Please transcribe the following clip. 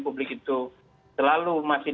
publik itu selalu masih